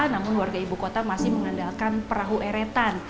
namun warga ibu kota masih mengandalkan perahu eretan